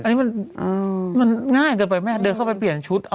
อันนี้มันง่ายเกินไปแม่เดินเข้าไปเปลี่ยนชุด